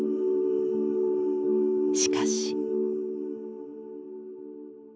しかし。